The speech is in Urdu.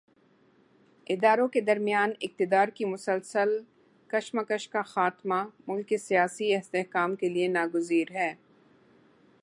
اداروں کے درمیان اقتدار کی مسلسل کشمکش کا خاتمہ، ملک کے سیاسی استحکام کے لیے ناگزیر ہے۔